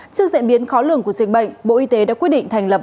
trước diễn biến khó lường của dịch bệnh bộ y tế đã quyết định thành lập